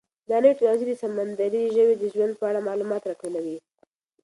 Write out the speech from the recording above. دا نوې ټیکنالوژي د سمندري ژویو د ژوند په اړه معلومات راټولوي.